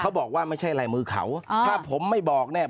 เขาบอกว่าไม่ใช่ลายมือเขาอ่าถ้าผมไม่บอกเนี่ย